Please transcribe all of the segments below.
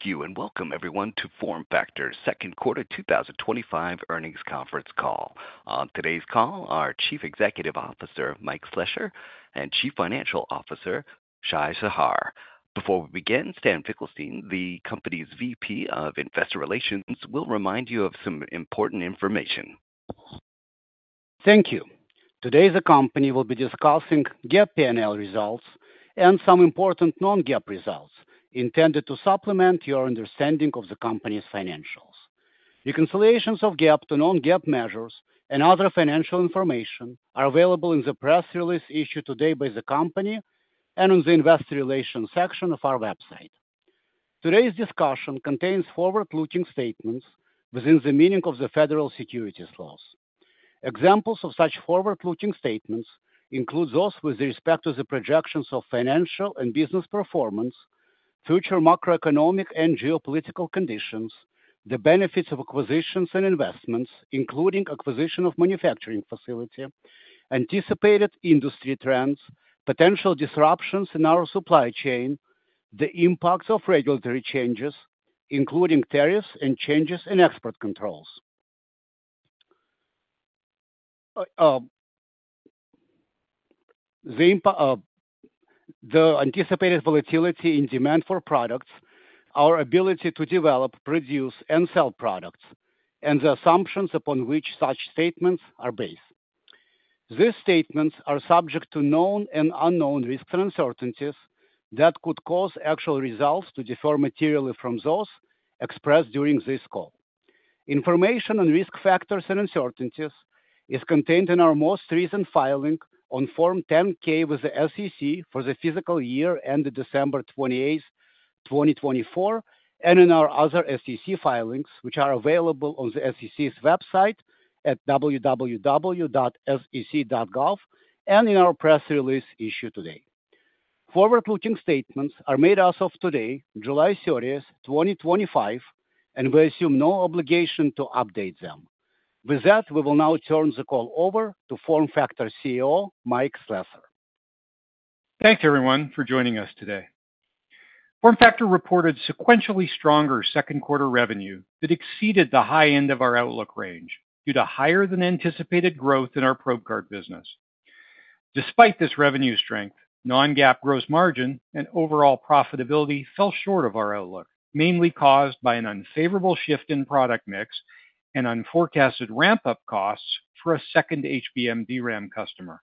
Thank you and welcome everyone to FormFactor's second quarter 2025 earnings conference call. On today's call, our Chief Executive Officer, Mike Slessor and Chief Financial Officer, Shai Shahar. Before we begin, Stan Finkelstein, the Company's VP of Investor Relations, will remind you of some important information. Thank you. Today the Company will be discussing GAAP P&L results and some important non-GAAP results intended to supplement your understanding of the company's financials. Reconciliations of GAAP to non-GAAP measures and other financial information are available in the press release issued today by the Company and on the Investor Relations section of our website. Today's discussion contains forward-looking statements within the meaning of the federal securities laws. Examples of such forward-looking statements include those with respect to the projections of financial and business performance, future macroeconomic and geopolitical conditions, the benefits of acquisitions and investments including acquisition of manufacturing facility, anticipated industry trends, potential disruptions in our supply chain, the impacts of regulatory changes including tariffs and changes in export controls, the anticipated volatility in demand for products, our ability to develop, produce and sell products, and the assumptions upon which such statements are based. These statements are subject to known and unknown risks and uncertainties that could cause actual results to differ materially from those expressed during this call. Information on risk factors and uncertainties is contained in our most recent filing on Form 10-K with the SEC for the fiscal year ended December 28, 2024, and in our other SEC filings which are available on the SEC's website at www.sec.gov and in our press release issued today. Forward-looking statements are made as of today, July 30th, 2025, and we assume no obligation to update them. With that, we will now turn the call over to FormFactor CEO Mike Slessor. Thanks everyone for joining us today. FormFactor reported sequentially stronger second quarter revenue that exceeded the high end of our outlook range due to higher than anticipated growth in our probe card business. Despite this revenue strength, non-GAAP gross margin and overall profitability fell short of our outlook, mainly caused by an unfavorable shift in product mix and unforecasted ramp up costs for a second HBM DRAM customer.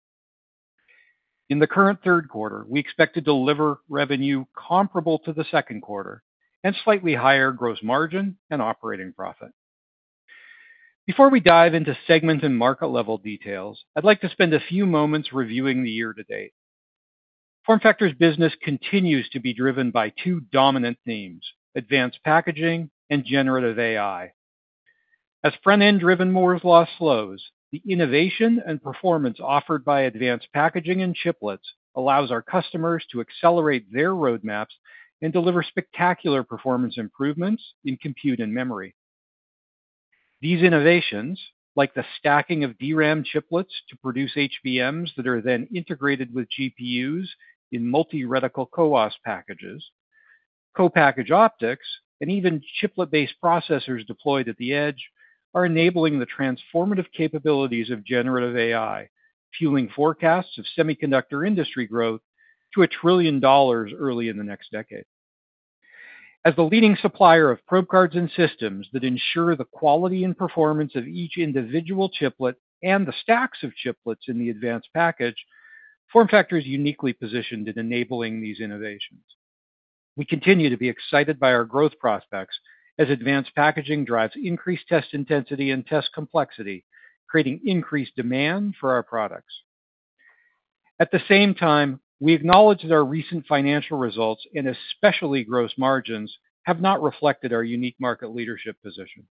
In the current third quarter, we expect to deliver revenue comparable to the second quarter and slightly higher gross margin and operating profit. Before we dive into segment and market level details, I'd like to spend a few moments reviewing the year to date. FormFactor's business continues to be driven by two dominant themes: advanced packaging and generative AI as front end driven. As Moore's Law slows, the innovation and performance offered by advanced packaging and chiplets allows our customers to accelerate their roadmaps and deliver spectacular performance improvements in compute and memory. These innovations, like the stacking of DRAM chiplets to produce HBMs that are then integrated with GPUs in multi-radical CoWoS packages, co-packaged optics, and even chiplet based processors deployed at the edge, are enabling the transformative capabilities of generative AI, fueling forecasts of semiconductor industry growth to a trillion dollars early in the next decade. As the leading supplier of probe cards and systems that ensure the quality and performance of each individual chiplet and the stacks of chiplets in the advanced package, FormFactor is uniquely positioned in enabling these innovations. We continue to be excited by our growth prospects as advanced packaging drives increased test intensity and test complexity, creating increased demand for our products. At the same time, we acknowledge that our recent financial results and especially gross margins have not reflected our unique market leadership position.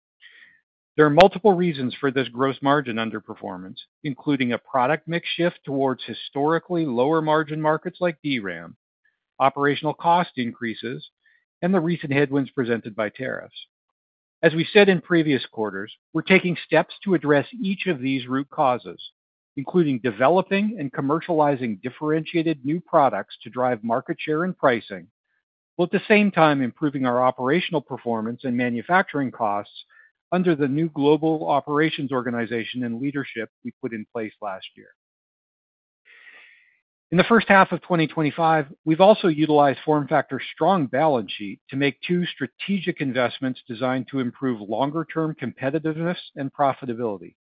There are multiple reasons for this gross margin underperformance, including a product mix shift towards historically lower margin markets like DRAM, operational cost increases, and the recent headwinds presented by tariffs. As we said in previous quarters, we're taking steps to address each of these root causes, including developing and commercializing differentiated new products to drive market share and pricing, while at the same time improving our operational performance and manufacturing costs under the new global operations organization and leadership we put in place last year. In the first half of 2025. We've also utilized FormFactor's strong balance sheet to make two strategic investments designed to improve longer term competitiveness and profitability: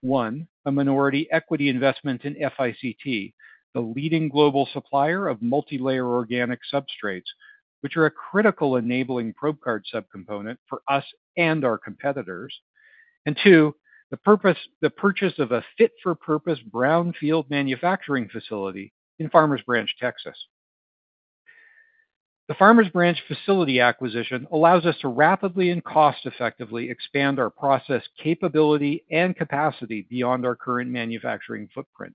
one a minority equity investment in FICT, the leading global supplier of multilayer organic substrates, which are a critical enabling probe card subcomponent for us and our competitors, and two the purchase of a fit-for-purpose brownfield manufacturing facility in Farmers Branch, Texas. The Farmers Branch facility acquisition allows us to rapidly and cost effectively expand our process capability and capacity beyond our current manufacturing footprint.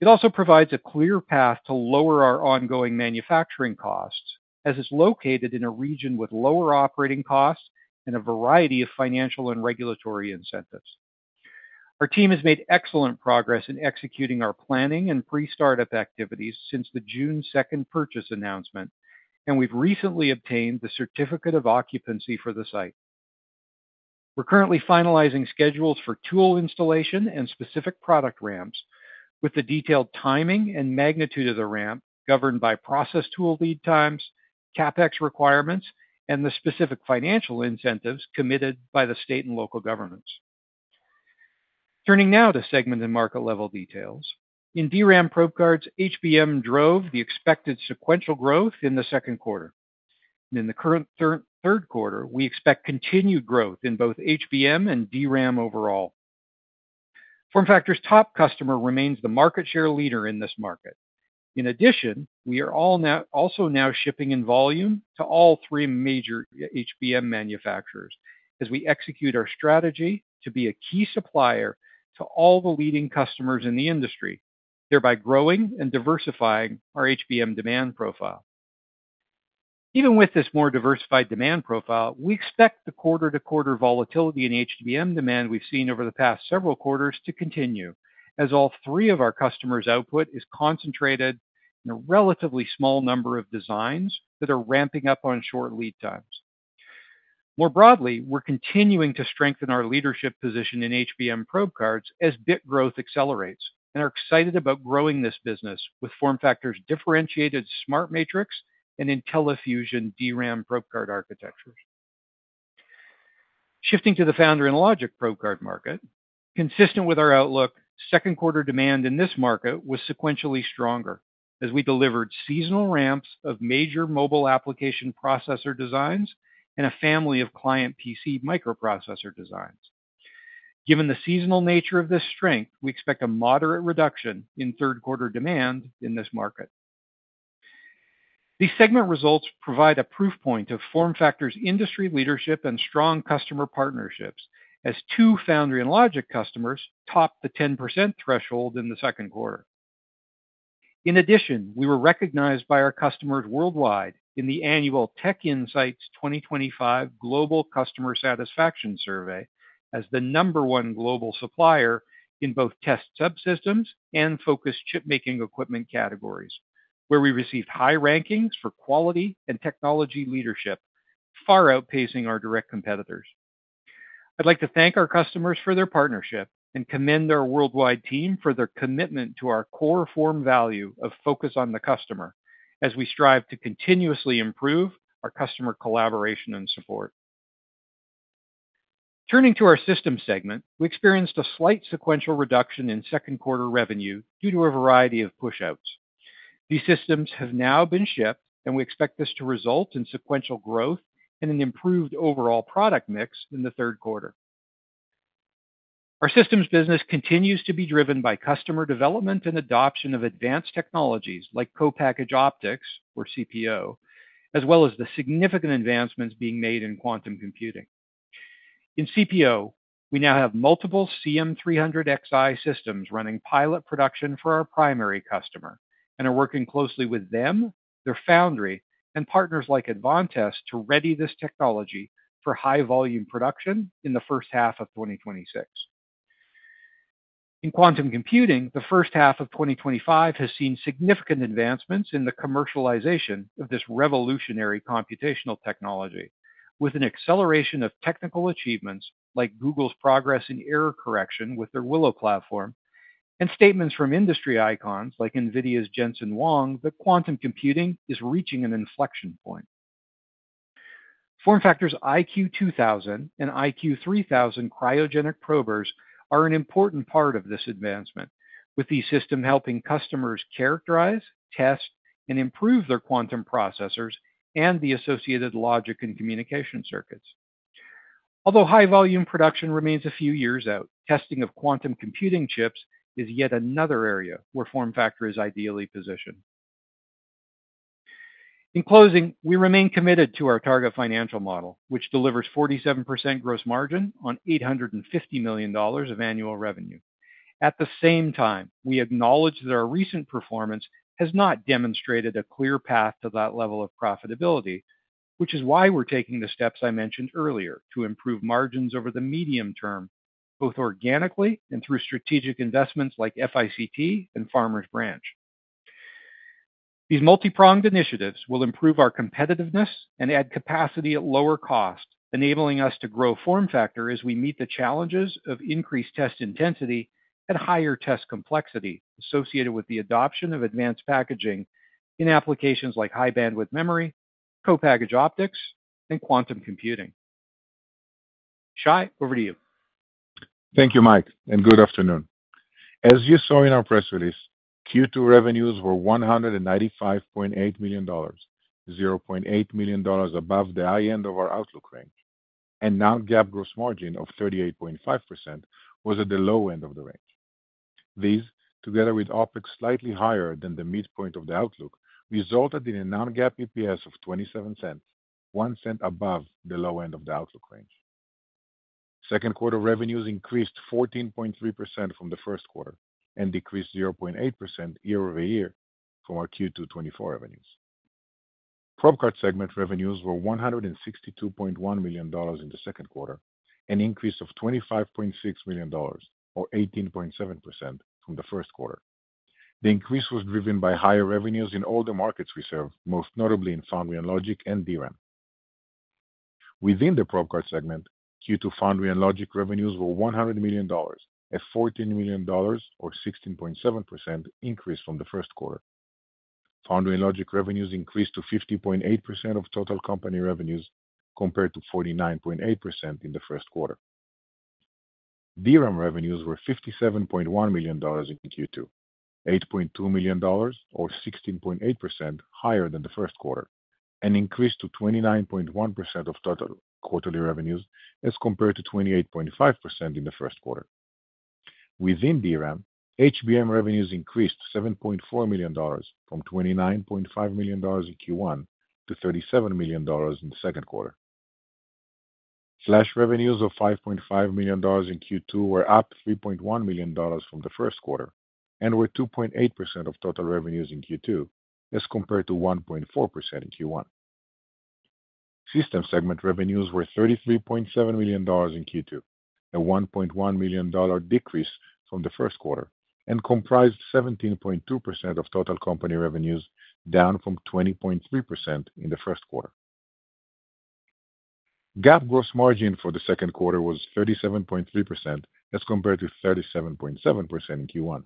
It also provides a clear path to lower our ongoing manufacturing costs as it's located in a region with lower operating costs and a variety of financial and regulatory incentives. Our team has made excellent progress in executing our planning and pre-startup activities since the June 2nd purchase announcement, and we've recently obtained the Certificate of Occupancy for the site. We're currently finalizing schedules for tool installation and specific product ramps, with the detailed timing and magnitude of the ramp governed by process tool lead times, CapEx requirements, and the specific financial incentives committed by the state and local governments. Turning now to segment and market level details, in DRAM probe cards, HBM drove the expected sequential growth in the second quarter. In the current third quarter, we expect continued growth in both HBM and DRAM overall. FormFactor's top customer remains the market share leader in this market. In addition, we are also now shipping in volume to all three major HBM manufacturers as we execute our strategy to be a key supplier to all the leading customers in the industry, thereby growing and diversifying our HBM demand profile. Even with this more diversified demand profile, we expect the quarter-to-quarter volatility in HBM demand we've seen over the past several quarters to continue as all three of our customers' output is concentrated in a relatively small number of designs that are ramping up on short lead times. More broadly, we're continuing to strengthen our leadership position in HBM DRAM probe cards as bit growth accelerates and are excited about growing this business. With FormFactor's differentiated SmartMatrix and IntelliFusion DRAM probe card architectures shifting to the Foundry and Logic probe card market, consistent with our outlook, second quarter demand in this market was sequentially stronger as we delivered seasonal ramps of major mobile application processor designs and a family of client PC microprocessor designs. Given the seasonal nature of this strength, we expect a moderate reduction in third quarter demand in this market. These segment results provide a proof point of FormFactor's industry leadership and strong customer partnerships as two Foundry and Logic customers topped the 10% threshold in the second quarter. In addition, we were recognized by our customers worldwide in the annual TechInsights 2025 Global Customer Satisfaction Survey as the number one global supplier in both test subsystems and focused chipmaking equipment categories, where we received high rankings for quality and technology leadership, far outpacing our direct competitors. I'd like to thank our customers for their partnership and commend our worldwide team for their commitment to our core form value of focus on the customer as we strive to continuously improve our customer collaboration and support. Turning to our systems segment, we experienced a slight sequential reduction in second quarter revenue due to a variety of pushouts. These systems have now been shipped and we expect this to result in sequential growth and an improved overall product mix in the third quarter. Our systems business continues to be driven by customer development and adoption of advanced technologies like co-packaged optics, or CPO, as well as the significant advancements being made in quantum computing in CPO. We now have multiple CM300xi systems running pilot production for our primary customer and are working closely with them, their foundry, and partners like Advantest to ready this technology for high volume production in the first half of 2026. In quantum computing, the first half of 2025 has seen significant advancements in the commercialization of this revolutionary computational technology with an acceleration of technical achievements like Google's progress in error correction with their Willow platform and statements from industry icons like NVIDIA's Jensen Huang that quantum computing is reaching an inflection point. FormFactor's IQ2000 and IQ3000 cryogenic probers are an important part of this advancement, with the system helping customers characterize, test, and improve their quantum processors and the associated logic and communication circuits. Although high volume production remains a few years out, testing of quantum computing chips is yet another area where FormFactor is ideally positioned. In closing, we remain committed to our target financial model, which delivers 47% gross margin on $850 million of annual revenue. At the same time, we acknowledge that our recent performance has not demonstrated a clear path to that level of profitability, which is why we're taking the steps I mentioned earlier to improve margins over the medium term, both organically and through strategic investments like FICT and Farmers Branch. These multi-pronged initiatives will improve our competitiveness and add capacity at lower cost, enabling us to grow FormFactor as we meet the challenges of increased test intensity and higher test complexity associated with the adoption of advanced packaging in applications like high bandwidth memory, co-packaged optics, and quantum computing. Shai, over to you. Thank you, Mike, and good afternoon. As you saw in our press release, Q2 revenues were $195.8 million, $0.8 million above the high end of our outlook range, and non-GAAP gross margin of 38.5% was at the low end of the range. These, together with OpEx slightly higher than the midpoint of the outlook, resulted in a non-GAAP EPS of $0.27, $0.01 above the low end of the outlook range. Second quarter revenues increased 14.3% from the first quarter and decreased 0.8% year over year from our Q2 2024 revenues. Probe Card segment revenues were $162.1 million in the second quarter, an increase of $25.6 million, or 18.7%, from the first quarter. The increase was driven by higher revenues in all the markets we serve, most notably in Foundry and Logic and DRAM. Within the Probe Card segment, Q2 Foundry and Logic revenues were $100 million, a $14 million, or 16.7%, increase from the first quarter. Foundry and Logic revenues increased to 50.8% of total company revenues compared to 49.8% in the first quarter. DRAM revenues were $57.1 million in Q2, $8.2 million, or 16.8% higher than the first quarter, and increased to 29.1% of total quarterly revenues as compared to 28.5% in the first quarter. Within DRAM, HBM revenues increased $7.4 million from $29.5 million in Q1 to $37 million in the second quarter. Flash revenues of $5.5 million in Q2 were up $3.1 million from the first quarter and were 2.8% of total revenues in Q2 as compared to 1.4% in Q1. System segment revenues were $33.7 million in Q2, a $1.1 million decrease from the first quarter, and comprised 17.2% of total company revenues, down from 20.3% in the first quarter. GAAP gross margin for the second quarter was 37.3% as compared to 37.7% in Q1.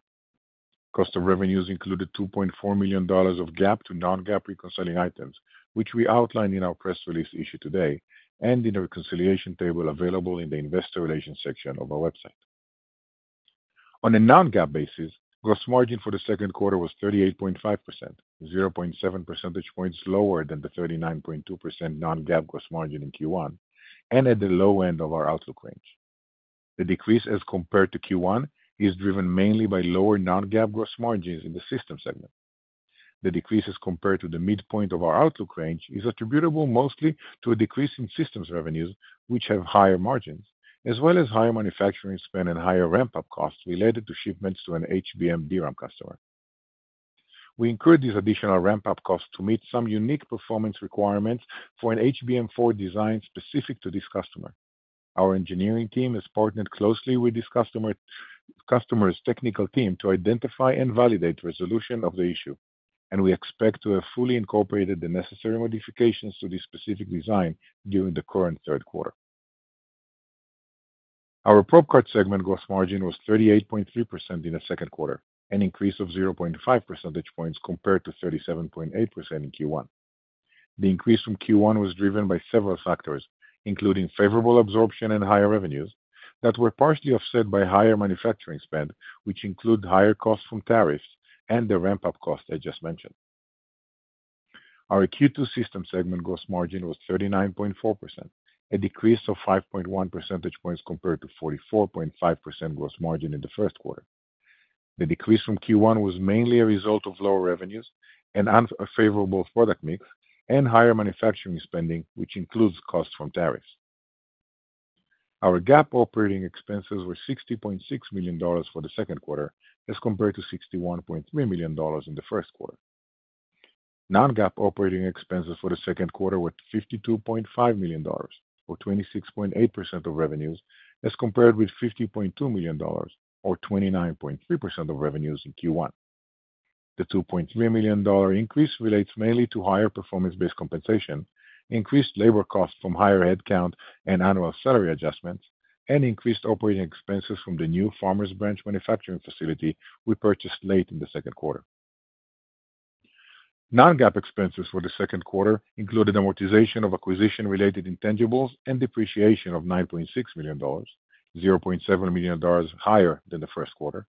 Cost of revenues included $2.4 million of GAAP to non-GAAP reconciling items, which we outlined in our press release issued today and in a reconciliation table available in the Investor Relations section of our website. On a non-GAAP basis, gross margin for the second quarter was 38.5%, 0.7 percentage points lower than the 39.2% non-GAAP gross margin in Q1 and at the low end of our outlook range. The decrease as compared to Q1 is driven mainly by lower non-GAAP gross margins in the System segment. The decrease compared to the midpoint of our outlook range is attributable mostly to a decrease in Systems revenues, which have higher margins, as well as higher manufacturing spend and higher ramp-up cost related to shipments to an HBM DRAM customer. We incurred these additional ramp up costs to meet some unique performance requirements for an HBM4 design specific to this customer. Our engineering team has partnered closely with this customer's technical team to identify and validate resolution of the issue, and we expect to have fully incorporated the necessary modifications to this specific design during the current third quarter. Our Probe Card segment gross margin was 38.3% in the second quarter, an increase of 0.5 percentage points compared to 37.8% in Q1. The increase from Q1 was driven by several factors, including favorable absorption and higher revenues that were partially offset by higher manufacturing spend, which includes higher costs from tariffs and the ramp up cost I just mentioned. Our Q2 Systems segment gross margin was 39.4%, a decrease of 5.1 percentage points compared to 44.5% gross margin in the first quarter. The decrease from Q1 was mainly a result of lower revenues, unfavorable product mix, and higher manufacturing spending, which includes costs from tariffs. Our GAAP operating expenses were $60.6 million for the second quarter as compared to $61.3 million in the first quarter. Non-GAAP operating expenses for the second quarter were $52.5 million or 26.8% of revenues as compared with $50.2 million or 29.3% of revenues in Q1. The $2.3 million increase relates mainly to higher performance-based compensation, increased labor costs from higher headcount and annual salary adjustments, and increased operating expenses from the new Farmers Branch manufacturing facility we purchased late in the second quarter. Non-GAAP expenses for the second quarter included amortization of acquisition-related intangibles and depreciation of $9.6 million, $0.7 million higher than the first quarter,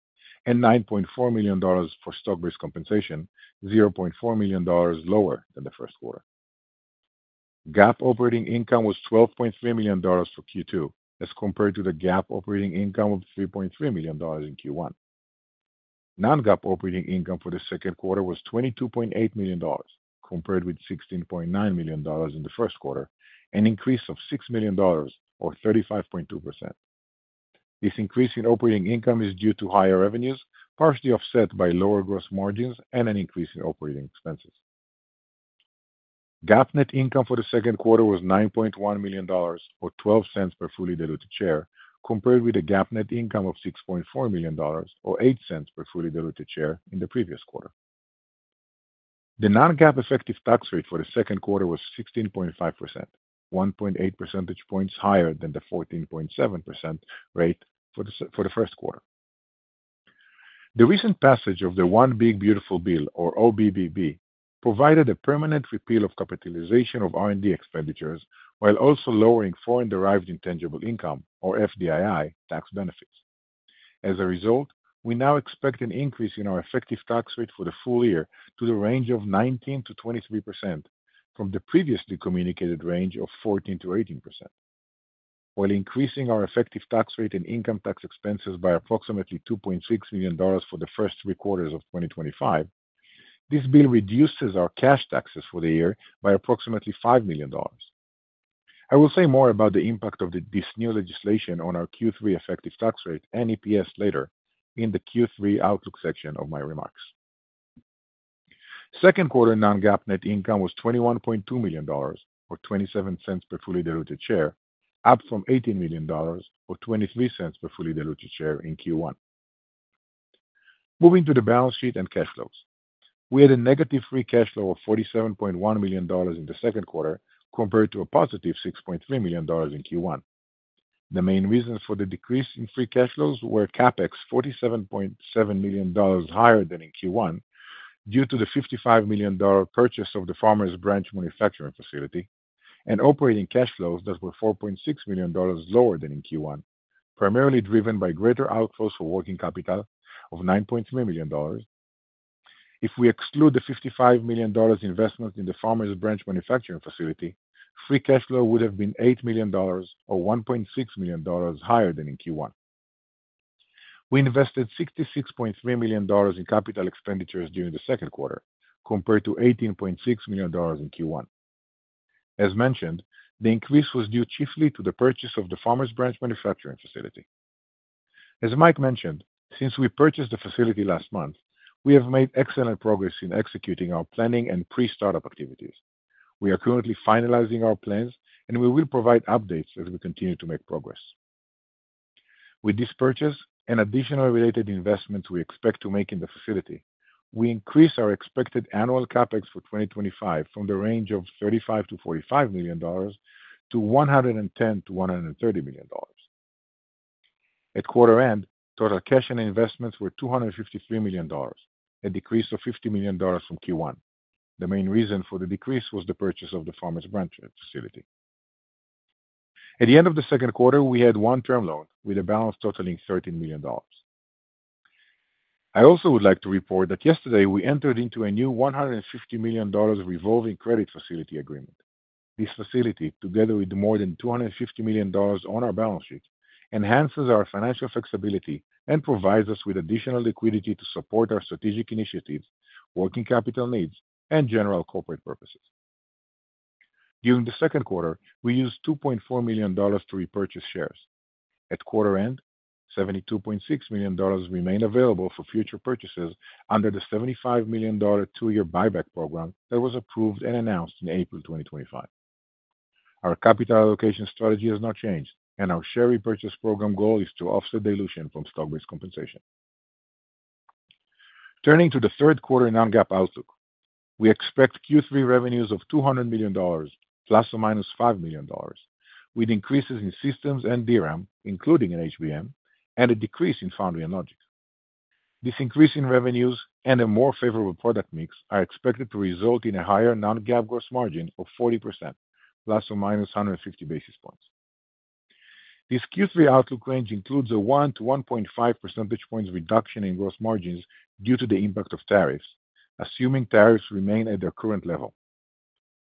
and $9.4 million for stock-based compensation, $0.4 million lower than the first quarter. GAAP operating income was $12.3 million for Q2 as compared to the GAAP operating income of $3.3 million in Q1. Non-GAAP operating income for the second quarter was $22.8 million compared with $16.9 million in the first quarter, an increase of $6 million or 35.2%. This increase in operating income is due to higher revenues, partially offset by lower gross margins and an increase in operating expenses. GAAP net income for the second quarter was $9.1 million or $0.12 per fully diluted share compared with a GAAP net income of $6.4 million or $0.08 per fully diluted share in the previous quarter. The non-GAAP effective tax rate for the second quarter was 16.5%, 1.8 percentage points higher than the 14.7% rate for the first quarter. The recent passage of the One Big Beautiful Bill or OBBB provided a permanent repeal of capitalization of R&D expenditures while also lowering Foreign Derived Intangible Income or FDII tax benefits. As a result, we now expect an increase in our effective tax rate for the full year to the range of 19% to 23% from the previously communicated range of 14% to 18%, while increasing our effective tax rate and income tax expenses by approximately $2.6 million for the first three quarters of 2025. This bill reduces our cash taxes for the year by approximately $5 million. I will say more about the impact of this new legislation on our Q3 effective tax rate and EPS later in the Q3 outlook section of my remarks. Second quarter non-GAAP net income was $21.2 million, or $0.27 per fully diluted share, up from $18 million, or $0.23 per fully diluted share in Q1. Moving to the balance sheet and cash flows, we had a negative free cash flow of $47.1 million in the second quarter compared to a positive $6.3 million in Q1. The main reasons for the decrease in free cash flows were CapEx $47.7 million higher than in Q1 due to the $55 million purchase of the Farmers Branch manufacturing facility and operating cash flows that were $4.6 million lower than in Q1, primarily driven by greater outflows for working capital of $9.3 million. If we exclude the $55 million investment in the Farmers Branch manufacturing facility, free cash flow would have been $8 million, or $1.6 million higher than in Q1. We invested $66.3 million in capital expenditures during the second quarter compared to $18.6 million in Q1. As mentioned, the increase was due chiefly to the purchase of the Farmers Branch manufacturing facility. As Mike mentioned, since we purchased the facility last month, we have made excellent progress in executing our planning and pre-startup activities. We are currently finalizing our plans and we will provide updates as we continue to make progress with this purchase and additional related investments we expect to make in the facility. We increase our expected annual CapEx for 2025 from the range of $35 million to $45 million to $110 million to $130 million. At quarter end, total cash and investments were $253 million, a decrease of $50 million from Q1. The main reason for the decrease was the purchase of the Farmers Branch facility. At the end of the second quarter, we had one term loan with a balance totaling $13 million. I also would like to report that yesterday we entered into a new $150 million revolving credit facility agreement. This facility, together with more than $250 million on our balance sheet, enhances our financial flexibility and provides us with additional liquidity to support our strategic initiatives, working capital needs, and general corporate purposes. During the second quarter, we used $2.4 million to repurchase shares. At quarter end, $72.6 million remain available for future purchases under the $75 million two-year buyback program that was approved and announced in April 2025. Our capital allocation strategy has not changed, and our share repurchase program goal is to offset dilution from stock-based compensation. Turning to the third quarter non-GAAP outlook, we expect Q3 revenues of $200 million plus or minus $5 million with increases in systems and DRAM, including in HBM, and a decrease in Foundry and Logic. This increase in revenues and a more favorable product mix are expected to result in a higher non-GAAP gross margin of 40% plus or minus 150 basis points. This Q3 outlook range includes a 1 to 1.5 percentage points reduction in gross margins due to the impact of tariffs, assuming tariffs remain at their current level.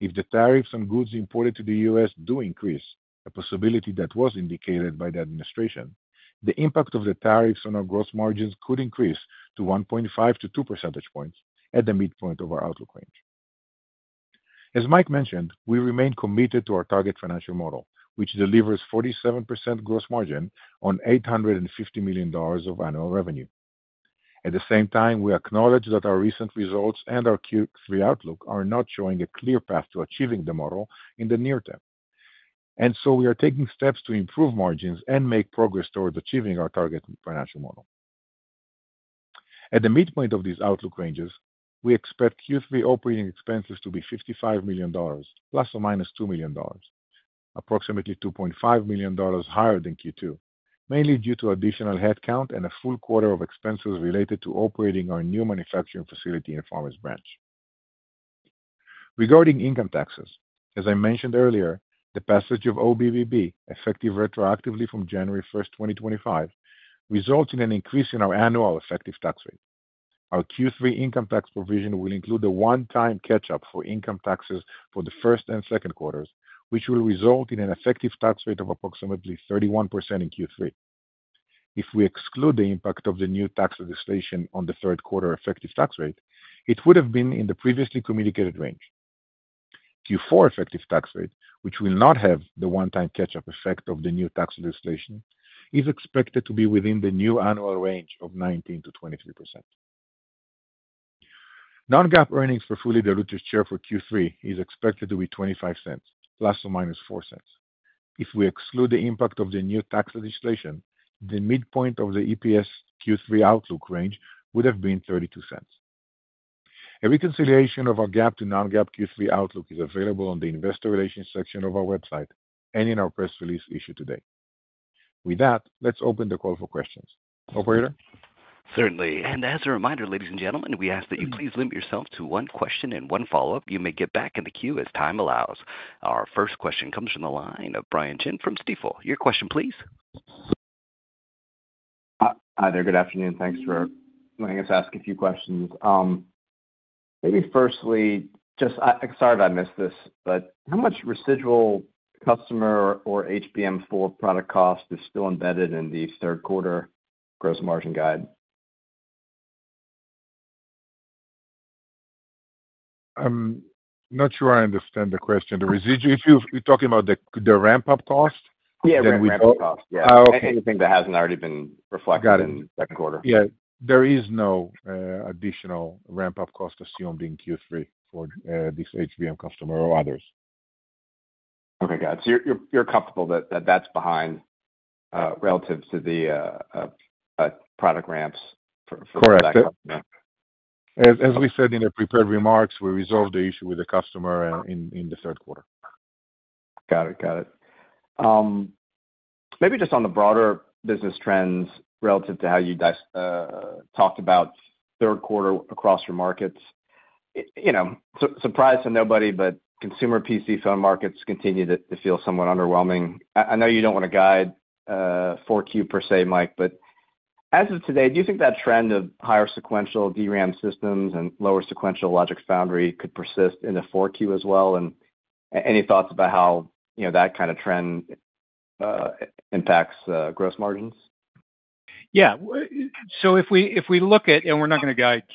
If the tariffs on goods imported to the U.S. do increase, a possibility that was indicated by the Administration, the impact of the tariffs on our gross margins could increase to 1.5 to 2 percentage points at the midpoint of our outlook range. As Mike mentioned, we remain committed to our target financial model which delivers 47% gross margin on $850 million of annual revenue. At the same time, we acknowledge that our recent results and our Q3 outlook are not showing a clear path to achieving the model in the near term, and we are taking steps to improve margins and make progress towards achieving our target financial model. At the midpoint of these outlook ranges, we expect Q3 operating expenses to be $55 million plus or minus $2 million, approximately $2.5 million higher than Q2, mainly due to additional headcount and a full quarter of expenses related to operating our new manufacturing facility in Farmers Branch. Regarding income taxes, as I mentioned earlier, the passage of the OBBB effective retroactively from January 1st, 2025, results in an increase in our annual effective tax rate. Our Q3 income tax provision will include a one-time catch up for income taxes for the first and second quarters, which will result in an effective tax rate of approximately 31% in Q3. If we exclude the impact of the new tax legislation on the third quarter effective tax rate, it would have been in the previously communicated range. Q4 effective tax rate, which will not have the one-time catch up effect of the new tax legislation, is expected to be within the new annual range of 19% to 23%. Non-GAAP earnings for fully diluted share for Q3 is expected to be $0.25 plus or minus $0.04. If we exclude the impact of the new tax legislation, the midpoint of the EPS Q3 outlook range would have been $0.32. A reconciliation of our GAAP to non-GAAP Q3 outlook is available on the Investor Relations section of our website and in our press release issued today. With that, let's open the call for questions. Operator. Certainly. As a reminder, ladies and gentlemen, we ask that you please limit yourself to one question and one follow-up. You may get back in the queue as time allows. Our first question comes from the line of Brian Chin from Stifel. Your question please. Hi there, good afternoon. Thanks for letting us ask a few questions. Maybe firstly, just sorry if I missed this, but how much residual customer or HBM4 product cost is still embedded in the third quarter gross margin guide? I'm not sure I understand the question. The residual, if you're talking about the ramp up cost. Yeah. Anything that hasn't already been reflected in the second quarter? Yeah. There is no additional ramp up cost assumed in Q3 for this HBM customer or others. Okay, guys, you're comfortable that that's behind relative to the product ramps, correct? As we said in the prepared remarks, we resolved the issue with the customer in the third quarter. Got it, got it. Maybe just on the broader business trends relative to how you talked about third quarter across your markets. Surprise to nobody, but consumer PC phone markets continue to feel somewhat underwhelming. I know you don't want to guide 4Q per se, Mike, but as of today, do you think that trend of higher sequential DRAM systems and lower sequential logic foundry could persist in the 4Q as well? Any thoughts about how that kind of trend impacts gross margins? Yeah. If we look at the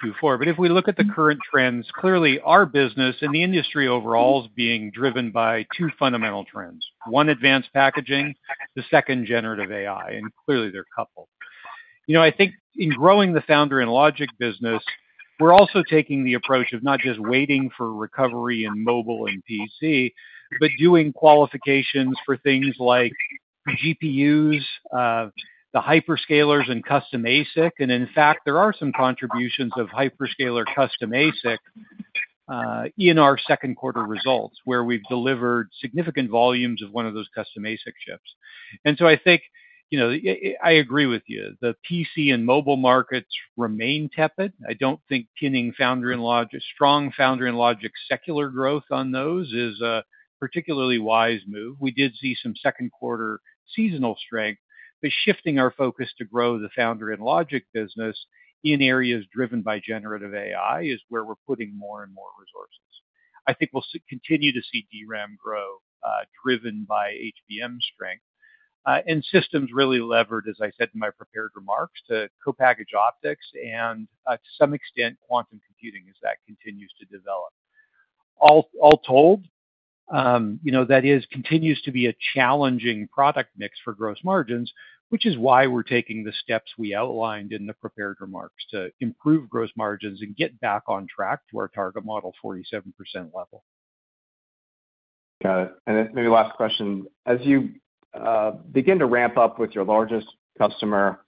current trends, clearly our business and the industry overall is being driven by two fundamental trends. One is advanced packaging, the second is generative AI. Clearly they're coupled, I think, in growing the Foundry and Logic business. We're also taking the approach of not just waiting for recovery in mobile and PC but doing qualifications for things like GPUs, the hyperscalers, and custom ASIC. In fact, there are some contributions of hyperscaler custom ASIC in our second quarter results where we've delivered significant volumes of one of those custom ASIC chips. I agree with you. The PC and mobile markets remain tepid. I don't think pinning Foundry and Logic, strong Foundry and Logic secular growth, on those is a particularly wise move. We did see some second quarter seasonal strength. Shifting our focus to grow the Foundry and Logic business in areas driven by generative AI is where we're putting more and more resources. I think we'll continue to see DRAM grow, driven by HBM strength and systems. Really levered, as I said in my prepared remarks, to co-packaged optics and to some extent quantum computing as that continues to develop. All told, that continues to be a challenging product mix for gross margins, which is why we're taking the steps we outlined in the prepared remarks to improve gross margins and get back on track to our target model 47% level. Got it. As you begin to ramp up with your largest customer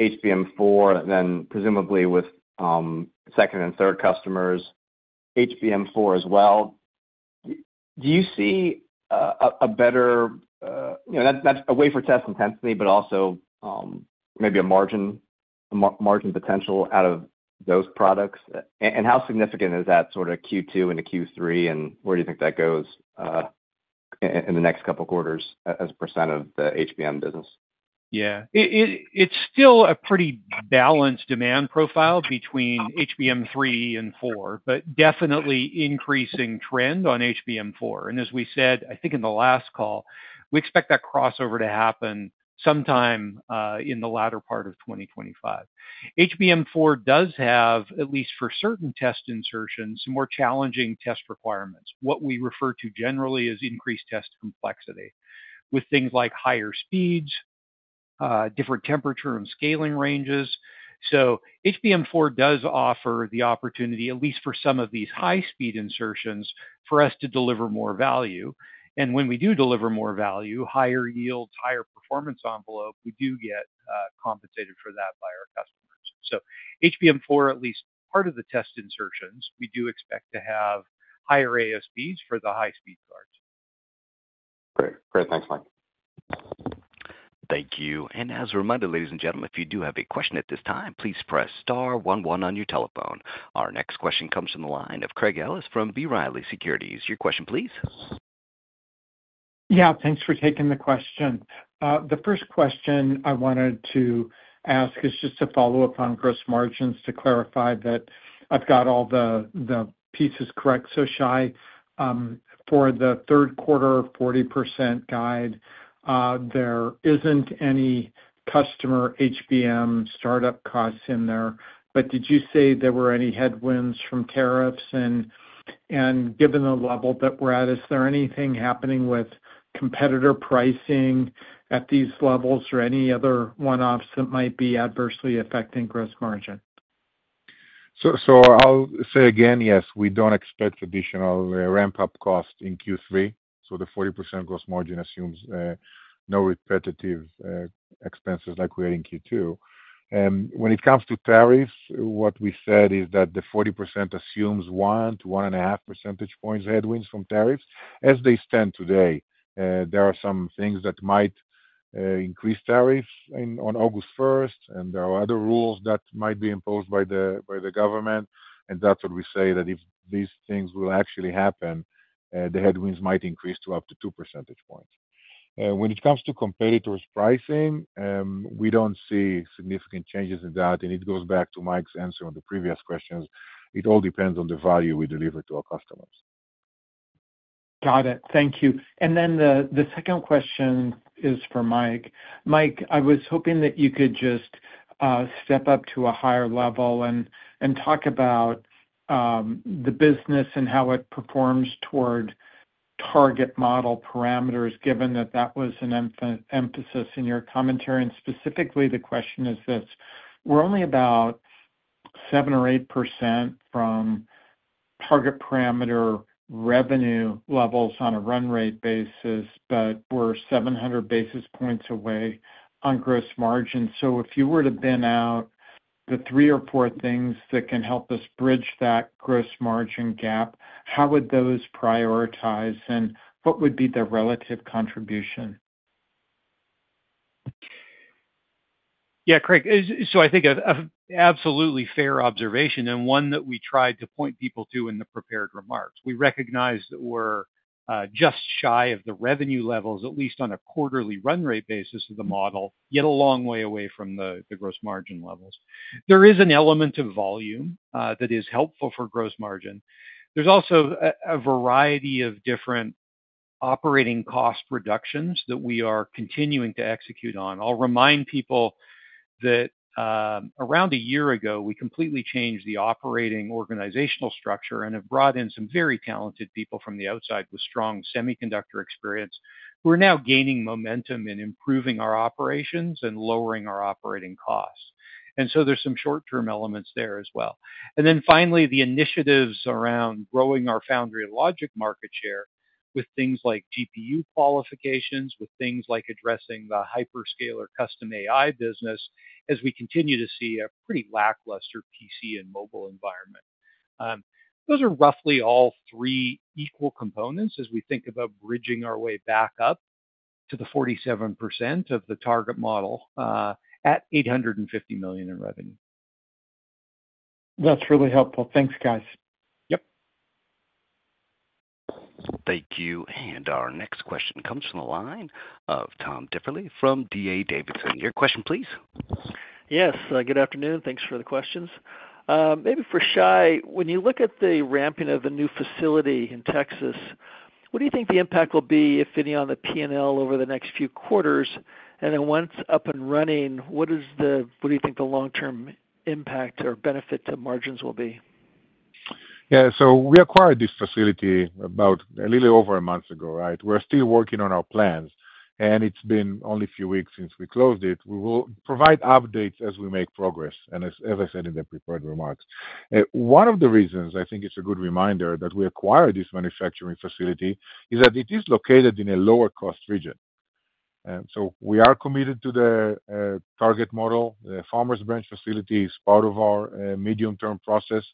HBM4, then presumably with second and third customers HBM4 as well, do you see a better way for test intensity but also maybe a margin potential out of those products? How significant is that sort of Q2 and Q3, and where do you think that goes in the next couple quarters as a percent of the HBM business? Yeah, it's still a pretty balanced demand profile between HBM3 and four, but definitely increasing trend on HBM4. As we said, I think in the last call, we expect that crossover to happen sometime in the latter part of 2025. HBM4 does have, at least for certain test insertions, some more challenging test requirements. What we refer to generally is increased test complexity with things like higher speeds, different temperature and scaling ranges. HBM4 does offer the opportunity, at least for some of these high speed insertions, for us to deliver more value. When we do deliver more value, higher yields, higher performance envelope, we do get compensated for that by our customers. HBM4, at least part of the test insertions, we do expect to have higher ASPs for the high speed cards. Great, great. Thanks, Mike. Thank you. As a reminder, ladies and gentlemen, if you do have a question at this time, please press star one one on your telephone. Our next question comes from the line of Craig Ellis from B. Riley Securities. Your question, please. Yeah, thanks for taking the question. The first question I wanted to ask is just to follow up on gross margins to clarify that I've got all the pieces correct. So Shai, for the third quarter 40% guide, there isn't any customer HBM startup costs in there. Did you say there were any headwinds from tariffs? Given the level that we're at, is there anything happening with competitor pricing at these levels or any other one offs that might be adversely affecting gross margin? Yes, we don't expect additional ramp up cost in Q3. The 40% gross margin assumes no repetitive expenses like we had in Q2 when it comes to tariffs. What we said is that the 40% assumes one to 1.5 percentage points headwinds from tariffs as they stand today. There are some things that might increase tariffs on August 1st and there are other rules that might be imposed by the government. That's what we say, that if these things will actually happen, the headwinds might increase to up to two percentage points. When it comes to competitors' pricing, we don't see significant changes in that. It goes back to Mike's answer on the previous questions. It all depends on the value we deliver to our customers. Got it, thank you. The second question is for Mike. Mike, I was hoping that you could just step up to a higher level and talk about the business and how it performs toward target model parameters, given that that was an emphasis in your commentary. Specifically, the question is this. We're only about 7% or 8% from target parameter revenue levels on a run rate basis, but we're 700 basis points away on gross margin. If you were to bin out the three or four things that can help us bridge that gross margin gap, how would those prioritize and what would be the relative contribution? Yeah, Craig, so I think an absolutely fair observation and one that we tried to point people to in the prepared remarks. We recognize that we're just shy of the revenue levels, at least on a quarterly run rate basis of the model, yet a long way away from the gross margin levels. There is an element of volume that is helpful for gross margin. There's also a variety of different operating cost reductions that we are continuing to execute on. I'll remind people that around a year ago we completely changed the operating organizational structure and have brought in some very talented people from the outside with strong semiconductor experience. We're now gaining momentum in improving our operations and lowering our operating costs. There's some short term elements there as well. Finally, the initiatives around growing our foundry logic market share with things like GPU qualifications, with things like addressing the hyperscaler custom AI business as we continue to see a pretty lackluster PC and mobile environment. Those are roughly all three equal components as we think about bridging our way back up to the 47% of the target model at $850 million in revenue. That's really helpful. Thanks, guys. Yep. Thank you. Our next question comes from the line of Tom Diffely from D.A. Davidson. Your question please. Yes, good afternoon. Thanks for the questions. Maybe for Shai. When you look at the ramping of the new facility in Texas, what do you think the impact will be, if any, on the P&L over the next few quarters? Once up and running, what do you think the long term impact or benefit to margins will be? Yeah, so we acquired this facility about a little over a month ago, right. We're still working on our plans, and it's been only a few weeks since we closed it. We will provide updates as we make progress. As I said in the prepared remarks, one of the reasons I think it's a good reminder that we acquired this manufacturing facility is that it is located in a lower cost region. We are committed to the target model. The Farmers Branch facility is part of our medium term process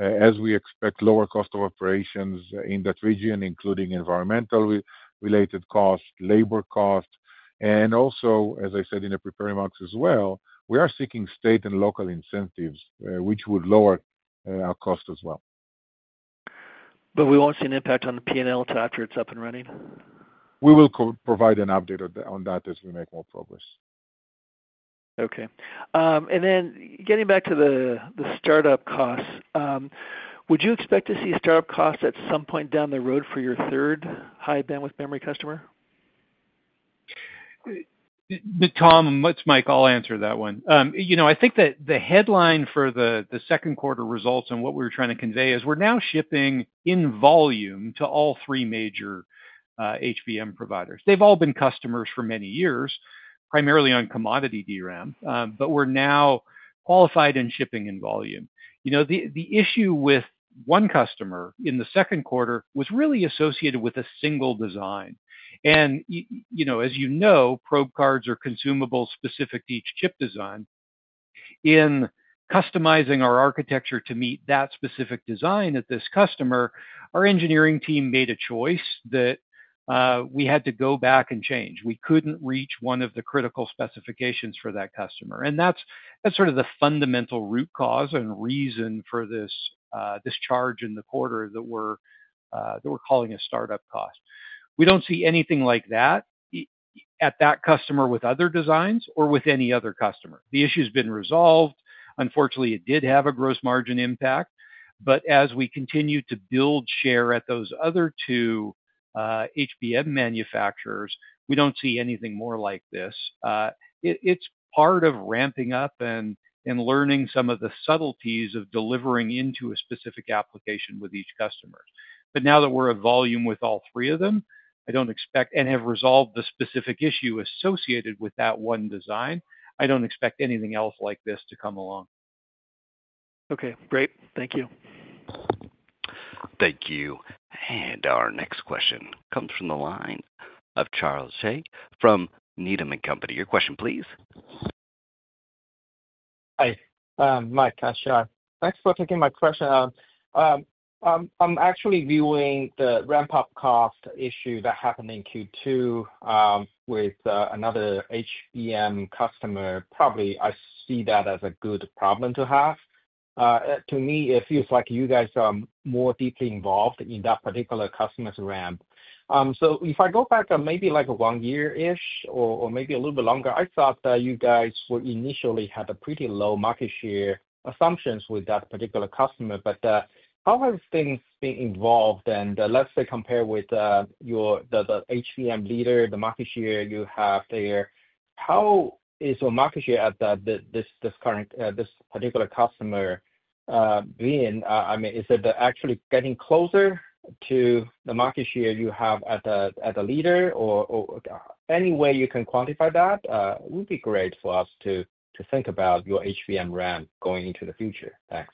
as we expect lower cost of operations in that region, including environmental related costs, labor cost, and also as I said in the prepared remarks as well, we are seeking state and local incentives which would lower our cost as well. We won't see an impact on the P&L until after it's up and running. We will provide an update on that as we make more progress. Okay, getting back to the startup costs, would you expect to see startup costs at some point down the road for your third high bandwidth memory customer? Tom, it's Mike, I'll answer that one. I think that the headline for the second quarter results and what we were trying to convey is we're now shipping in volume to all three major HBM providers. They've all been customers for many years, primarily on commodity DRAM, but we're now qualified and shipping in volume. The issue with one customer in the second quarter was really associated with a single design. As you know, DRAM probe cards are consumable, specific to each chip design. In customizing our architecture to meet that specific design at this customer, our engineering team made a choice that we had to go back and change. We couldn't reach one of the critical specifications for that customer. That's the fundamental root cause and reason for this charge in the quarter that we're calling a startup cost. We don't see anything like that at that customer, with other designs or with any other customer. The issue has been resolved. Unfortunately, it did have a gross margin impact. As we continue to build share at those other two HBM manufacturers, we don't see anything more like this. It's part of ramping up and learning some of the subtleties of delivering into a specific application with each customer. Now that we're at volume with all three of them, I don't expect and have resolved the specific issue associated with that one design. I don't expect anything else like this to come along. Okay, great. Thank you. Thank you. Our next question comes from the line of Charles Shi from Needham & Company. Your question please. Hi Mike, thanks for taking my question. I'm actually viewing the ramp up cost issue that happened in Q2 with another HBM customer. I see that as a good problem to have. To me it feels like you guys are more deeply involved in that particular customer's ramp. If I go back maybe like one year-ish, or maybe a little bit longer, I thought that you guys initially had a pretty low market share assumption with that particular customer. How have things evolved, and let's say compare with the HBM leader, the market share you have there. How is your market share at this particular customer? Is it actually getting closer to the market share you have at the leader, or any way you can quantify that would be great for us to think about your HBM ramp going into the future. Thanks.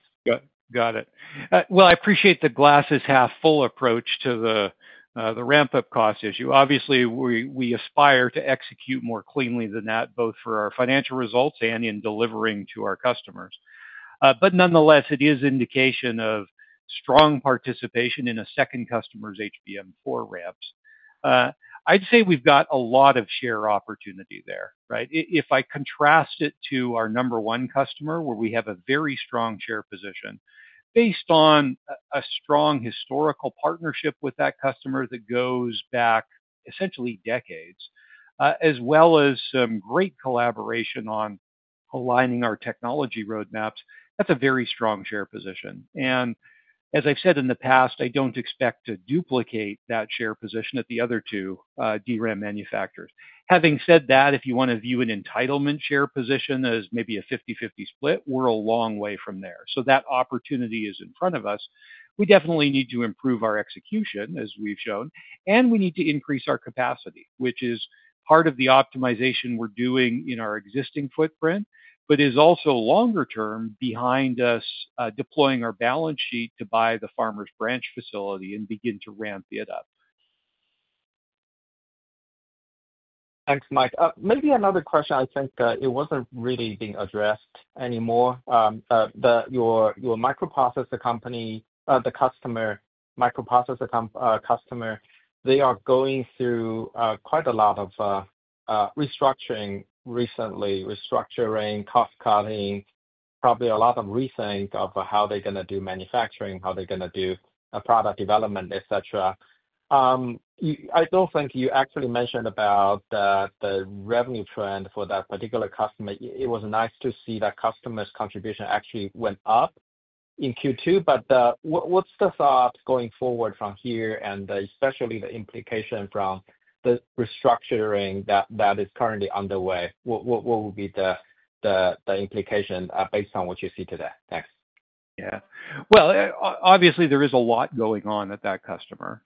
Got it. I appreciate the glass half full approach to the ramp up cost issue. Obviously, we aspire to execute more cleanly than that both for our financial results and in delivering to our customers. Nonetheless, it is an indication of strong participation in a second customer's HBM4 ramps. I'd say we've got a lot of share opportunity there. If I contrast it to our number one customer, where we have a very strong share position based on a strong historical partnership with that customer that goes back essentially decades, as well as some great collaboration on aligning our technology roadmaps, that's a very strong share position. As I've said in the past, I don't expect to duplicate that share position at the other two DRAM manufacturers. Having said that, if you want to view an entitlement share position as maybe a 50/50 split, we're a long way from there. That opportunity is in front of us. We definitely need to improve our execution, as we've shown, and we need to increase our capacity, which is part of the optimization we're doing in our existing footprint, but is also longer term behind us deploying our balance sheet to buy the Farmers Branch facility and begin to ramp it up. Thanks, Mike. Maybe another question. I think it wasn't really being addressed anymore. Your microprocessor company, the customer microprocessor customer, they are going through quite a lot of restructuring recently. Restructuring, cost cutting, probably a lot of rethink of how they're going to do manufacturing, how they're going to do product development, etc. I don't think you actually mentioned about the revenue trend for that particular customer. It was nice to see that customer's contribution actually went up in Q2. What's the thought going forward from here, and especially the implication from the restructuring that is currently underway? What would be the implication based on what you see today? Thanks. Obviously there is a lot going on at that customer.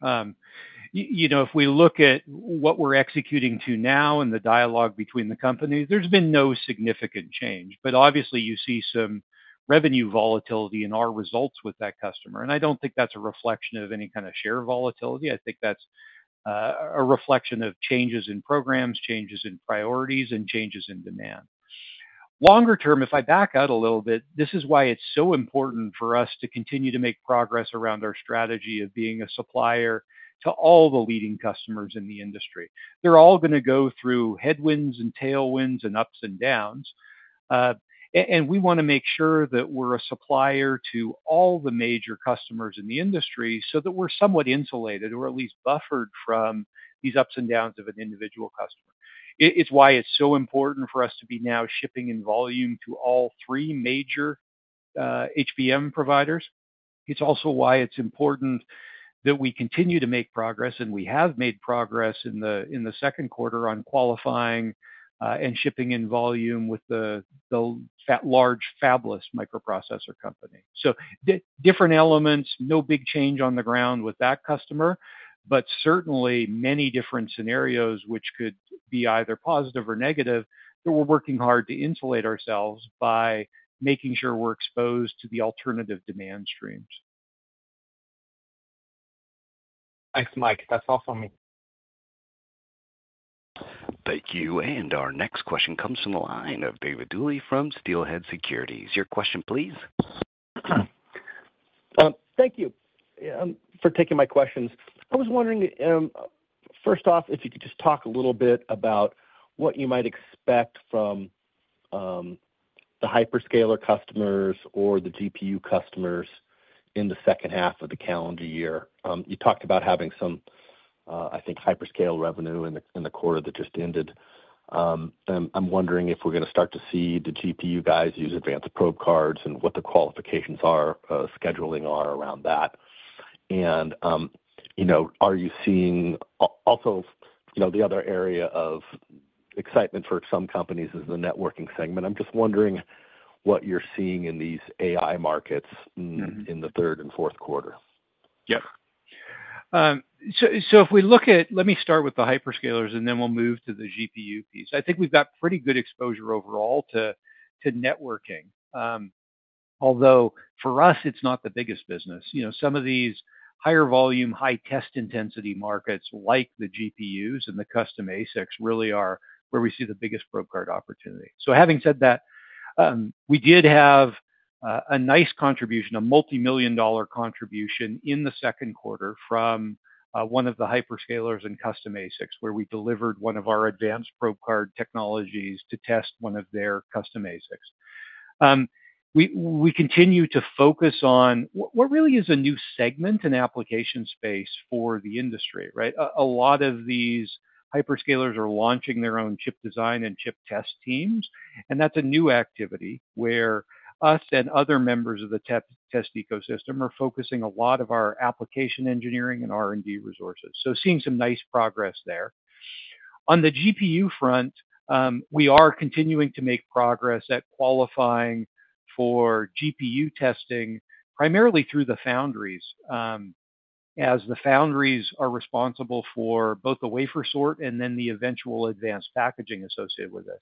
If we look at what we're executing to now and the dialogue between the companies, there's been no significant change. Obviously you see some revenue volatility in our results with that customer. I don't think that's a reflection of any kind of share volatility. I think that's a reflection of changes in programs, changes in priorities, and changes in demand. Longer term, if I back out a little bit, this is why it's so important for us to continue to make progress around our strategy of being a supplier to all the leading customers in the industry. They're all going to go through headwinds and tailwinds and ups and downs, and we want to make sure that we're a supplier to all the major customers in the industry so that we're somewhat insulated or at least buffered from these ups and downs of an individual customer. It's why it's so important for us to be now shipping in volume to all three major HBM providers. It's also why it's important that we continue to make progress, and we have made progress in the second quarter on qualifying and shipping in volume with the large fabless microprocessor company. Different elements, no big change on the ground with that customer, but certainly many different scenarios which could be either positive or negative, that we're working hard to insulate ourselves by making sure we're exposed to the alternative demand streams. Thanks, Mike. That's all for me. Thank you. Our next question comes from the line of David Duley from Steelhead Securities. Your question please. Thank you for taking my questions. I was wondering first off if you. Could you just talk a little bit about what you might expect from the hyperscaler customers or the GPU customers in the second half of the calendar year? You talked about having some, I think. Hyperscale revenue in the quarter that just ended. I'm wondering if we're going to start to see the GPU guys use advanced probe cards and what the qualifications are, scheduling are around that. Are you seeing also the other area of excitement for some companies is the networking segment? I'm just wondering what you're seeing in these areas. AI markets in the third and fourth quarter. Yep. If we look at, let me start with the hyperscalers and then we'll move to the GPU piece. I think we've got pretty good exposure overall to networking, although for us it's not the biggest business. You know, some of these higher volume, high test intensity markets like the GPUs and the custom ASICs really are where we see the biggest Probe Card opportunity. Having said that, we did have a nice contribution, a multimillion dollar contribution in the second quarter from one of the hyperscalers and custom ASICs where we delivered one of our advanced Probe Card technologies to test one of their custom ASICs. We continue to focus on what really is a new segment and application space for the industry. A lot of these hyperscalers are launching their own chip design and chip test teams and that's a new activity where us and other members of the test ecosystem are focusing a lot of our application engineering and R&D resources. Seeing some nice progress there. On the GPU front, we are continuing to make progress at qualifying for GPU testing primarily through the foundries, as the foundries are responsible for both the wafer sort and then the eventual advanced packaging associated with this.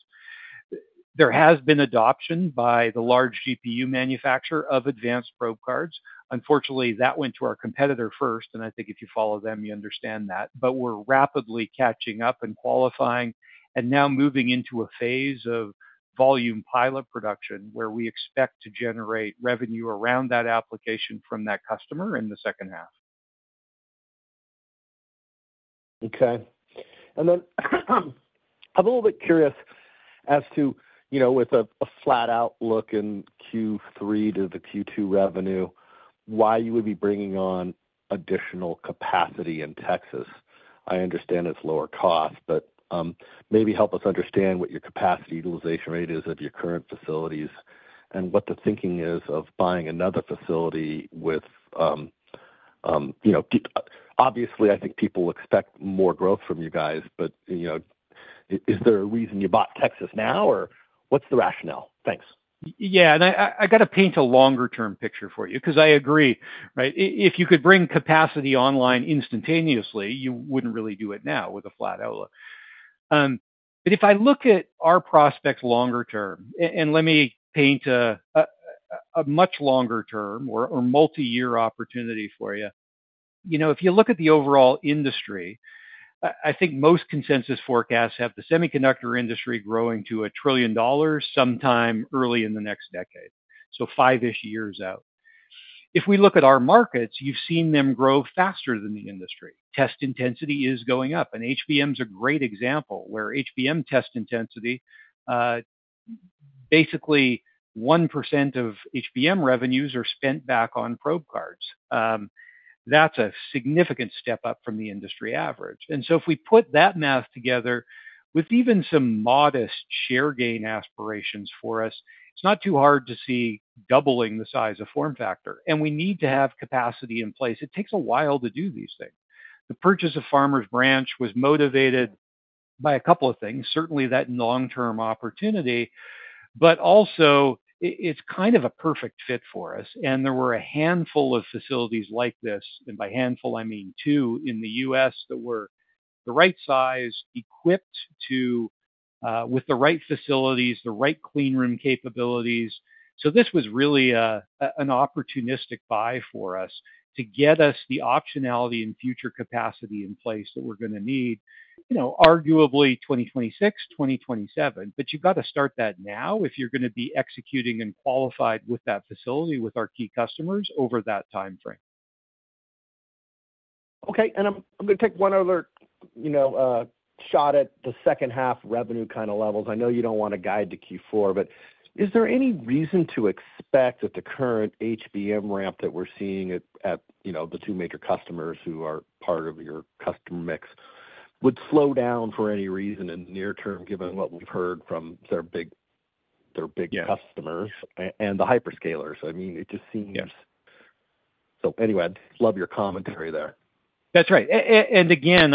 There has been adoption by the large GPU manufacturer of advanced Probe Cards. Unfortunately, that went to our competitor first and I think if you follow them, you understand that. We're rapidly catching up and qualifying and now moving into a phase of volume pilot production where we expect to generate revenue around that application from that customer in the second half. Okay. I'm a little bit curious as to, you know, with a flat outlook in Q3 to the Q2 revenue, why you would be bringing on additional capacity in Texas. I understand it's lower cost, but maybe help us understand what your capacity utilization rate is of your current facilities and what the thinking is of buying another facility. Obviously, I think people expect more growth from you guys, but is there a reason you bought Texas now or what's the rationale? Thanks. Yeah, and I got to paint a longer term picture for you because I agree if you could bring capacity online instantaneously, you wouldn't really do it now with a flat out. If I look at our prospects longer term, let me paint a much longer term or multi-year opportunity for you. If you look at the overall industry, I think most consensus forecasts have the semiconductor industry growing to a trillion dollars sometime early in the next decade, so five-ish years out. If we look at our markets, you've seen them grow faster than the industry. Test intensity is going up, and HBM is a great example where HBM test intensity, basically 1% of HBM revenues are spent back on probe cards. That's a significant step up from the industry average. If we put that math together with even some modest share gain aspirations for us, it's not too hard to see doubling the size of FormFactor. We need to have capacity in place. It takes a while to do these things. The purchase of Farmers Branch was motivated by a couple of things, certainly that long term opportunity, but also it's kind of a perfect fit for us. There were a handful of facilities like this, and by handful I mean two in the U.S. that were the right size, equipped with the right facilities, the right clean room capabilities. This was really an opportunistic buy for us to get us the optionality and future capacity in place that we're going to need, arguably 2026, 2027. You've got to start that now if you're going to be executing and qualified with that facility with our key customers over that time frame. Okay. I'm going to take one other shot at the second half. Revenue kind of levels. I know you don't want to guide. To Q4, is there any reason? To accept that the current HBM ramp that we're seeing at, you know, the two major customers who are part of your customer mix would slow down for any reason in the near term given what we've heard from their big customers and the hyperscalers. It just seems so. Anyway, I love your commentary there. That's right. I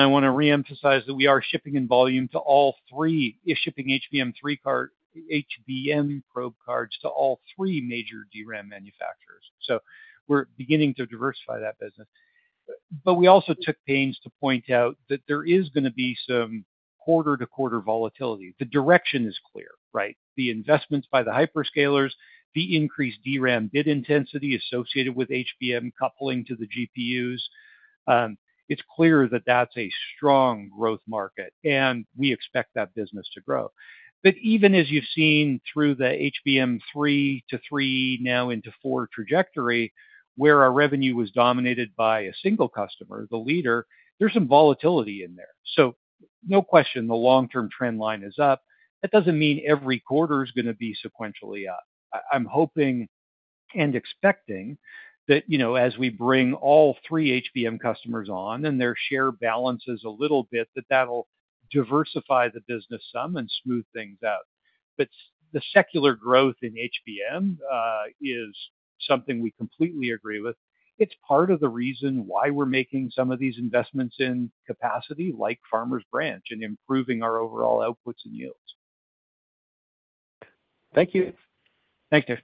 want to reemphasize that we are shipping in volume to all three, shipping HBM probe cards to all three major DRAM manufacturers. We're beginning to diversify that business. We also took pains to point out that there is going to be some quarter-to-quarter volatility. The direction is clear, right? The investments by the hyperscalers, the increased DRAM bid intensity associated with HBM coupling to the GPUs. It's clear that that's a strong growth market and we expect that business to grow. Even as you've seen through the HBM3 to three now into four trajectory where our revenue was dominated by a single customer, the leader, there's some volatility in there. No question the long-term trend line is up. That doesn't mean every quarter is going to be sequentially up. I'm hoping and expecting that as we bring all three HBM customers on and their share balances a little bit, that'll diversify the business some and smooth things out. The secular growth in HBM is something we completely agree with. It's part of the reason why we're making some of these investments in capacity, like Farmers Branch, and improving our overall outputs and yields. Thank you. Thanks, Dave.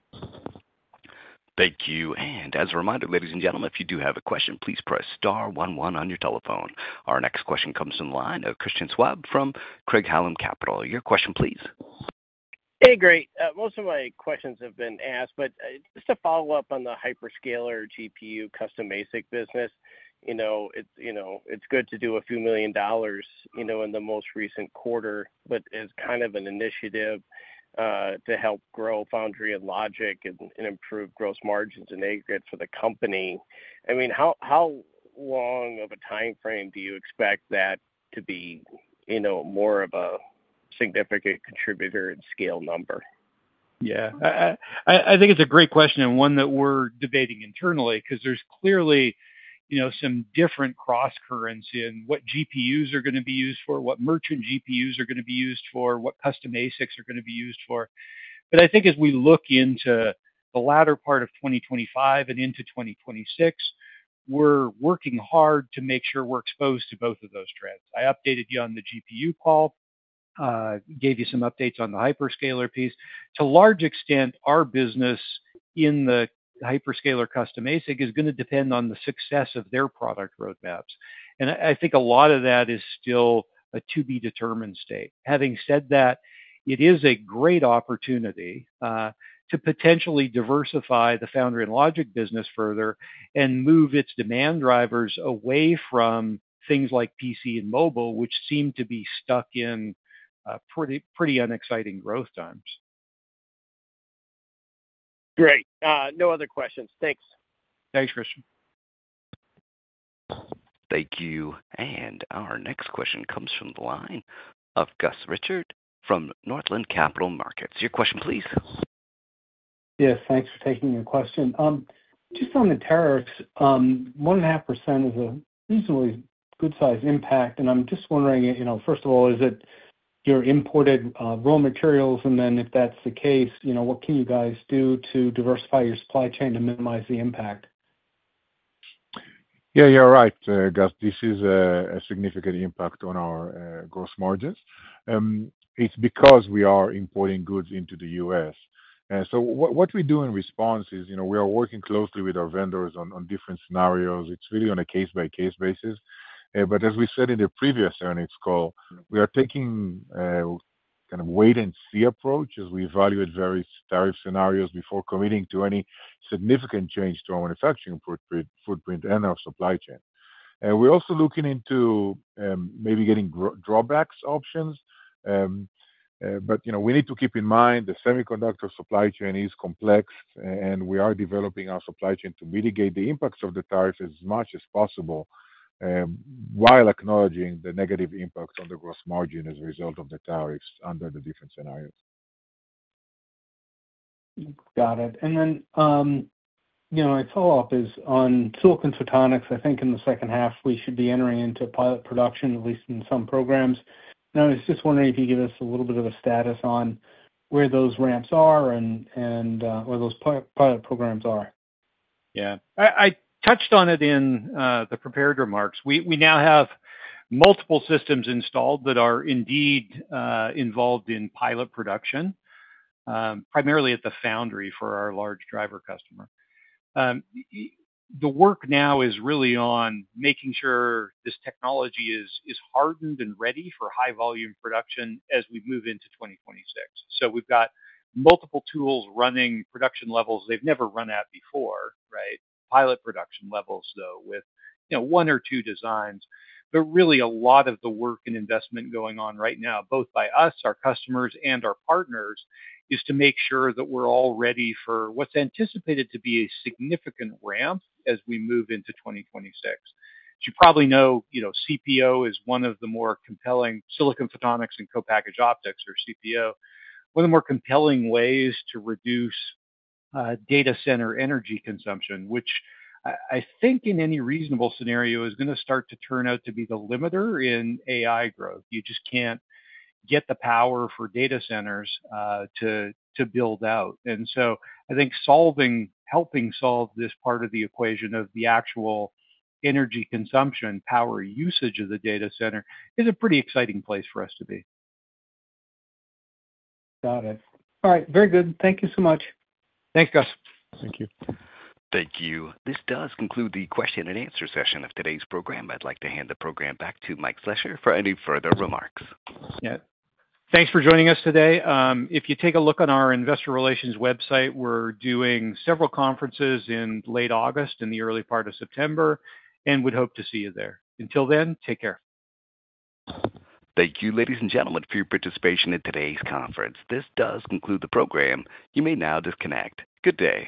Thank you. As a reminder, ladies and gentlemen, if you do have a question, please press star one one on your telephone. Our next question comes in line. Christian Schwab from Craig-Hallum Capital, your question please. Hey, great. Most of my questions have been asked, but just to follow up on the hyperscaler GPU custom ASIC business. You know, it's good to do a few $1 million in the most recent quarter, but as kind of an initiative to help grow Foundry and Logic and improve gross margins in a grid for the company, how long of a time frame do you expect that to be more of a significant contributor in scale number? Yeah, I think it's a great question and one that we're debating internally because there's clearly some different cross currents in what GPUs are going to be used for, what merchant GPUs are going to be used for, what custom ASICs are going to be used for. I think as we look into the latter part of 2025 and into 2026, we're working hard to make sure we're exposed to both of those trends. I updated you on the GPU call, gave you some updates on the hyperscaler piece. To a large extent, our business in the hyperscaler custom ASIC is going to depend on the success of their product roadmaps. I think a lot of that is still a to be determined state. Having said that, it is a great opportunity to potentially diversify the Foundry and Logic business further and move its demand drivers away from things like PC and mobile, which seem to be stuck in pretty unexciting growth times. Great. No other questions, thanks. Thanks, Christian. Thank you. Our next question comes from Gus Richard from Northland Capital Markets. Your question please. Yes, thanks for taking your question. Just on the tariffs, 1.5% is a reasonably good sized impact. I'm just wondering, first of all, is it your imported raw materials? If that's the case, what can you guys do to diversify your supply chain to minimize the impact. Yeah, you're right, Gus. This is a significant impact on our gross margins. It's because we are importing goods into the U.S. so what we do in response is, you know, we are working closely with our vendors on different scenarios. It's really on a case-by-case basis. As we said in the previous earnings call, we are taking kind of a wait and see approach as we evaluate various tariff scenarios before committing to any significant change to our manufacturing footprint and our supply chain. We're also looking into maybe getting drawback options. You know, we need to keep in mind the semiconductor supply chain is complex, and we are developing our supply chain to mitigate the impacts of the tariff as much as possible while acknowledging the negative impact on the gross margin as a result of the tariffs under the different scenarios. Got it. You know, a follow up. Is on silicon photonics. I think in the second half we should be entering into pilot production, at least in some programs. I was just wondering if you give us a little bit of a status on where those ramps are and where those pilot programs are. Yeah, I touched on it in the prepared remarks. We now have multiple systems installed that are indeed involved in pilot production, primarily at the foundry for our large driver customer. The work now is really on making sure this technology is hardened and ready for high volume production as we move into 2026. We've got multiple tools running production levels they've never run at before, pilot production levels though, with one or two designs. Really, a lot of the work and investment going on right now, both by us, our customers, and our customers' partners, is to make sure that we're all ready for what's anticipated to be a significant ramp as we move into 2026. You probably know CPO is one of the more compelling silicon photonics and co-packaged optics, or CPO, one of the more compelling ways to reduce data center energy consumption, which I think in any reasonable scenario is going to start to turn out to be the limiter in AI growth. You just can't get the power for data centers to build out. I think solving, helping solve this part of the equation of the actual energy consumption power usage of the data center is a pretty exciting place for us to be. Got it. All right, very good. Thank you so much. Thanks Gus. Thank you. Thank you. This does conclude the question and answer session of today's program. I'd like to hand the program back to Mike Slessor for any further remarks. Thanks for joining us today. If you take a look on our investor relations website, we're doing several conferences in late August, in the early part of September, and would hope to see you there. Until then, take care. Thank you, ladies and gentlemen, for your participation in today's conference. This does conclude the program. You may now disconnect. Good day.